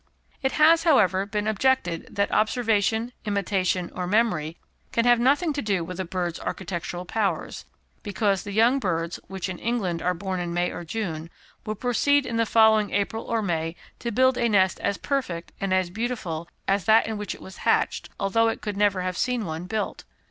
It has, however, been objected that observation, imitation, or memory, can have nothing to do with a bird's architectural powers, because the young birds, which in England are born in May or June, will proceed in the following April or May to build a nest as perfect and as beautiful as that in which it was hatched, although it could never have seen one built.